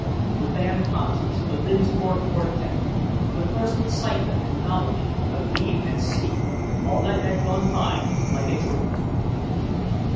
The band concerts, the Lindsborg Quartette, the first excitement and novelty of being at sea: all that had gone by like a dream.